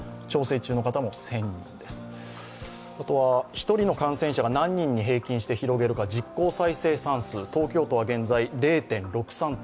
一人の感染者が何人に平均して広げるか実効再生産数、東京都は現在０．６３と